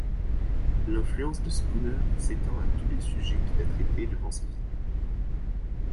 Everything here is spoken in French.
L'influence de Spooner s'étend à tous les sujets qu'il a traités durant sa vie.